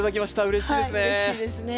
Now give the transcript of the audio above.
うれしいですね。